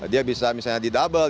dia bisa misalnya di double